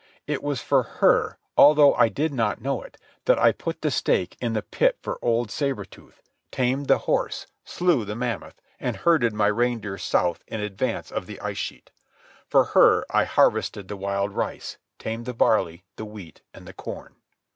It was for her, although I did not know it, that I put the stake in the pit for old Sabre Tooth, tamed the horse, slew the mammoth, and herded my reindeer south in advance of the ice sheet. For her I harvested the wild rice, tamed the barley, the wheat, and the corn.